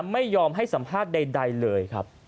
ไม่ยอมให้สัมภาษณ์ใดเลยครับ